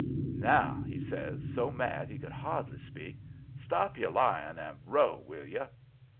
"'Now,' he says, so mad he could hardly speak, 'stop your lying and row, will you!'